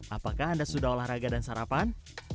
apakah anda sudah olahraga dan sarapan